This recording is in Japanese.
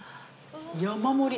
山盛り。